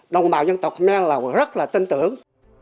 đồng bào dân tộc nen là rất là tin tưởng